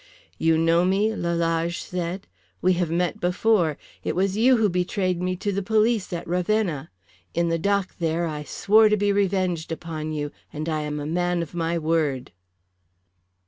"You know me?" Lalage said. "We have met before. It was you who betrayed me to the police at Ravenna. In the dock there I swore to be revenged upon you. And I am a man of my word."